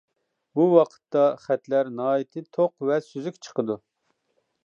بۇ ۋاقىتتا خەتلەر ناھايىتى توق ۋە سۈزۈك چىقىدۇ.